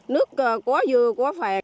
nước có dưa có phèn